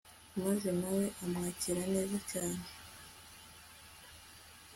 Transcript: maze na we amwakira neza cyane